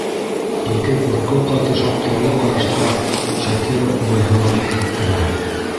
Ике ҡурҡыу ҡатыш аптыраулы ҡарашҡа Шакира уңайһыҙланып китте лә: